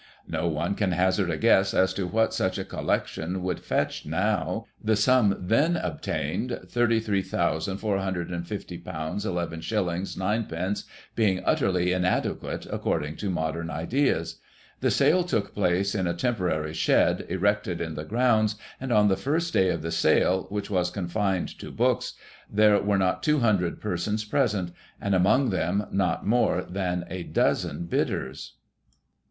No one can hazard a guess as to what such a collection would fetch now, the sum then obtained, ;£^3 3,450 lis. gd., being utter ly inadequate according to modern ideas. The sale took place in a temporary shed, erected in the grounds, and on the first day of the sale, which was confined to books, there were not 200 persons present, and among them, not more than a dozen bidders.